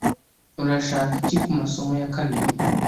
Urashaka iki kumasomo ya kabiri?